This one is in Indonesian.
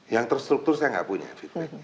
yang terstruktur saya gak punya feedbacknya